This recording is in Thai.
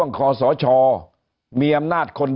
หนี้ครัวเรือนก็คือชาวบ้านเราเป็นหนี้มากกว่าทุกยุคที่ผ่านมาครับ